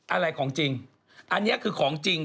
อะไรของจริงอันนี้คือของจริง